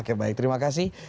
oke baik terima kasih